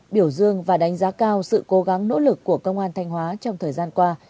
biểu dương và đánh giá cao sự cố gắng nỗ lực của công an thanh hóa trong thời gian qua